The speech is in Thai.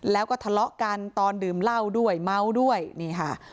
แล้วก็ทะเลาะกันตอนดื่มเหล้าด้วยเมาด้วยนี่ค่ะ